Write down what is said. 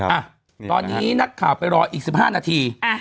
อ่ะตอนนี้นักข่าวไปรออีก๑๕นาที